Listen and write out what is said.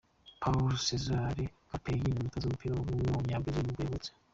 Paulo César Carpegiani, umutoza w’umupira w’amaguru w’umunya Brazil ni bwo yavutse.